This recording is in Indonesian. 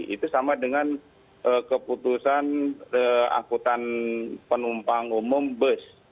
itu sama dengan keputusan angkutan penumpang umum bus